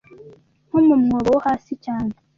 nko mu mwobo wo hasi cyane